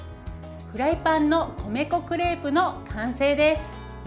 フライパンの米粉クレープの完成です。